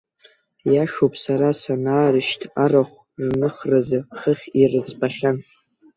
Иашоуп, сара санаарышьҭ, арахә рныхразы хыхь ирыӡбахьан.